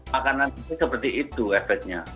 makanan itu seperti itu efeknya